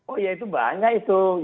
oh ya itu banyak itu